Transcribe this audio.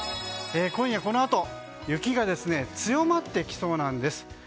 今夜、このあと雪が強まってきそうなんです。